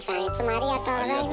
ありがとうございます。